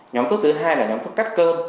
nhóm thuốc thứ hai là nhóm thuốc cắt cơn